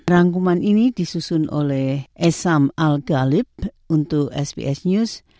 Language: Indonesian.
rangkuman ini disusun oleh esam al ghalib untuk sbs